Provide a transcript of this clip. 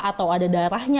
atau ada darahnya